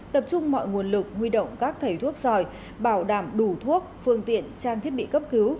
tập trung mọi nguồn lực huy động các thầy thuốc giỏi bảo đảm đủ thuốc phương tiện trang thiết bị cấp cứu